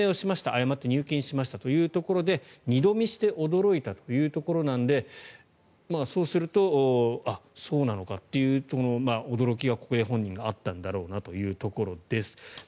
誤って入金しましたというところで二度見して驚いたというところなのでそうするとあ、そうなのかという驚きがここで本人があったんだろうなというところです。